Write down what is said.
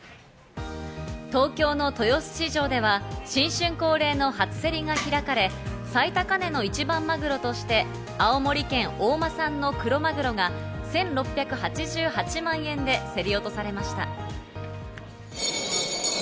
東京の豊洲市場では新春恒例の初競りが開かれ、最高値の一番マグロとして青森県大間産のクロマグロが１６８８万円で競り落とされました。